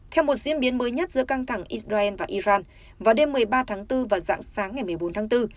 theo một diễn biến mới nhất giữa căng thẳng israel và iran vào đêm một mươi ba tháng bốn và dạng sáng ngày một mươi bốn tháng bốn